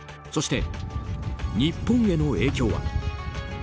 そして、日本への影響は？